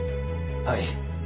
はい。